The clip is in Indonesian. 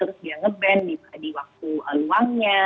terus dia nge ban di waktu luangnya